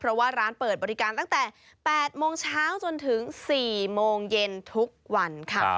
เพราะว่าร้านเปิดบริการตั้งแต่๘โมงเช้าจนถึง๔โมงเย็นทุกวันค่ะ